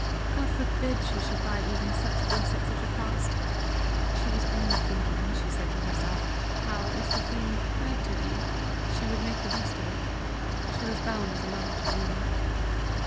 God forbid she should buy even such bliss at such a cost! She was only thinking, she said to herself, how, if the thing had to be, she would make the best of it: she was bound as a mother to do that!